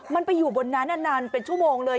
มันไปอยู่บนนั้นนานเป็นชั่วโมงเลย